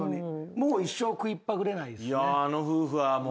もう一生食いっぱぐれない。